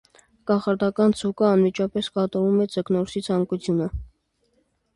Կախարդական ձուկը անմիջապես կատարում է ձկնորսի ցանկությունը։